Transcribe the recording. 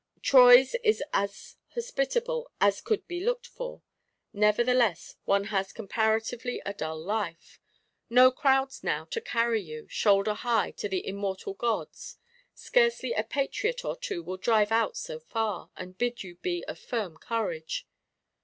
Troyes is as hospitable as could be looked for: nevertheless one has comparatively a dull life. No crowds now to carry you, shoulder high, to the immortal gods; scarcely a Patriot or two will drive out so far, and bid you be of firm courage.